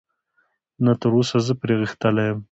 نه، تراوسه زه پرې غښتلی یم.